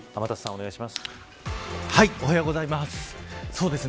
おはようございます。